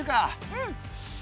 うん！